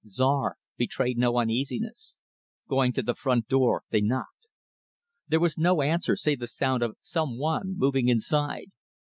Czar betrayed no uneasiness. Going to the front door, they knocked. There was no answer save the sound of some one moving inside.